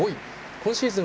今シーズン